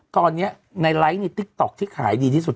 ตอนนี้ในไลค์ในติ๊กต๊อกที่ขายดีที่สุด